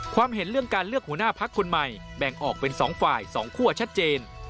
เห็นเรื่องการเลือกหัวหน้าพักคนใหม่แบ่งออกเป็น๒ฝ่าย๒คั่วชัดเจน